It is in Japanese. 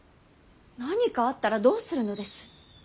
何かあったらどうするのです。